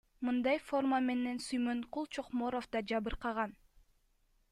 Мындай форма менен Сүймөнкул Чокморов да жабыркаган.